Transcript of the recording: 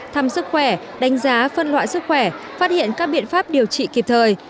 thăm sức khỏe đánh giá phân loại sức khỏe phát hiện các biện pháp điều trị kịp thời